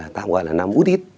ta gọi là năm út ít